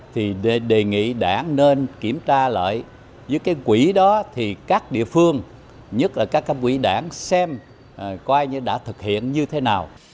thì đề nghị đảng nên kiểm tra lại với cái quỹ đó thì các địa phương nhất là các quỹ đảng xem coi như đã thực hiện như thế nào